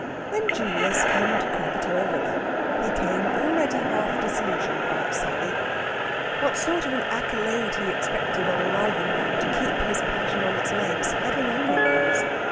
When Julius came to Krakatoa Villa, he came already half disillusioned about Sally. What sort of an accolade he expected on arriving to keep his passion on its legs, Heaven only knows!